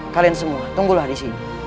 kalian semua tunggulah di sini